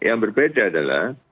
yang berbeda adalah